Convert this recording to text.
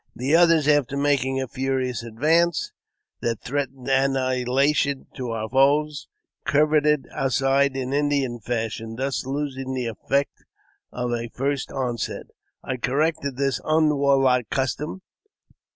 The others, after making a furious advance, that threatened annihilation to our few foes, curveted aside in Indian fashion, thus losing the effect of a first onset. I cor rected this un warlike custom.